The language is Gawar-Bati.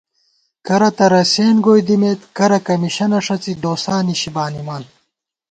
کرہ تہ رَسېن گوئی دِمېت، کرہ کمیشېنہ ݭڅی دوسانِشی بانِمان